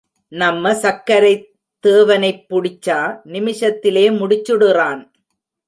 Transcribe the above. நம்ம சக்கரைத் தேவனைப் புடிச்சா, நிமிஷத்திலே முடிச்சுடுறான்.